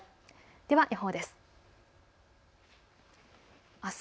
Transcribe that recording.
では予報です。